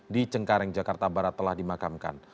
di cengkareng jakarta barat telah dimakamkan